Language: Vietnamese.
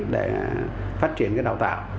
để phát triển cái đào tạo